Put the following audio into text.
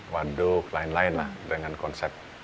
waduk lain lain lah dengan konsep